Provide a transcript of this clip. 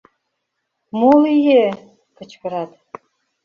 — Мо лие? — кычкырат.